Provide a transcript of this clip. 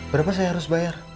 berapa saya harus bayar